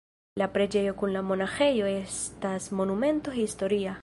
La preĝejo kun la monaĥejo estas Monumento historia.